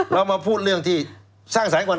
เรามาพูดเรื่องที่สร้างแสงก่อน